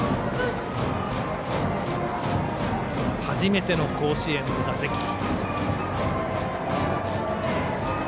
初めての甲子園の打席。